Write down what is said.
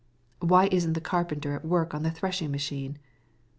"Why isn't the carpenter at the thrashing machine?"